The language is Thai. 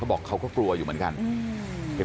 บอกเขาก็กลัวอยู่เหมือนกัน